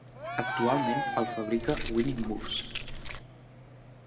Actualment el fabrica Winning Moves.